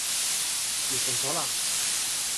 完成咗啦